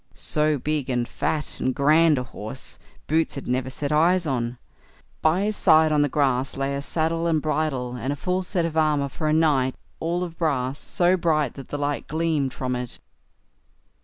So big, and fat, and grand a horse, Boots had never set eyes on; by his side on the grass lay a saddle and bridle, and a full set of armour for a knight, all of brass, so bright that the light gleamed from it.